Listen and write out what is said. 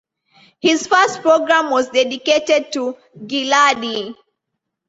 His first programme was dedicated to Gilardi.